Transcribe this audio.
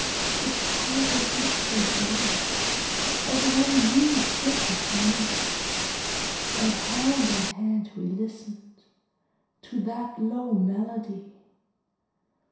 It pulses not so joyous As when you stood with me, And hand in hand we listened To that low melody.